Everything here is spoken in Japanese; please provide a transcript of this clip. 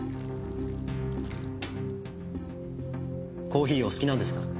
コーヒーお好きなんですか？